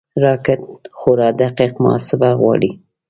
راکټ خورا دقیق محاسبه غواړي